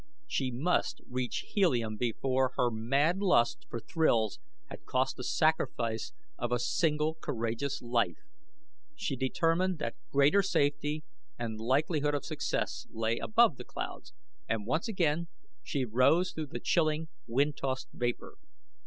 She must reach Helium before her mad lust for thrills had cost the sacrifice of a single courageous life! She determined that greater safety and likelihood of success lay above the clouds, and once again she rose through the chilling, wind tossed vapor.